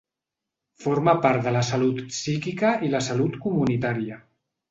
Forma part de la salut psíquica i la salut comunitària.